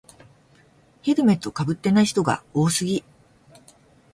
ヘルメットかぶってない人が多すぎ